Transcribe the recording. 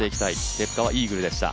結果はイーグルでした。